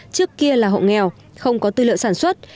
trước kia là hộ nghèo không có tư liệu sản xuất